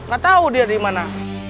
gak tahu dia di mana